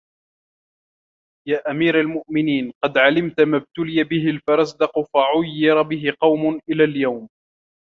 يَا أَمِيرَ الْمُؤْمِنِينَ قَدْ عَلِمْت مَا اُبْتُلِيَ بِهِ الْفَرَزْدَقُ فَعُيِّرَ بِهِ قَوْمٌ إلَى الْيَوْمِ